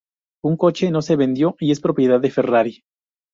Un coche no se vendió y es propiedad de Ferrari.